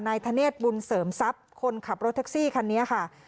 ธเนธบุญเสริมทรัพย์คนขับรถแท็กซี่คันนี้ค่ะ